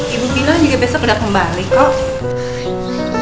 ibu pinang juga besok udah kembali kok